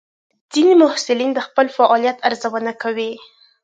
ځینې محصلین د خپل فعالیت ارزونه کوي.